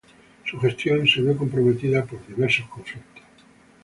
Su gestión se vio comprometida por diversos conflictos.